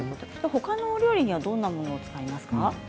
他のお料理にはどんなものに使えますか。